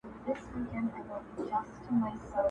داسي به ډیرو وي پخوا لیدلی!!